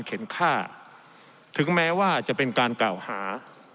เข็นค่าถึงแม้ว่าจะเป็นการกล่าวหา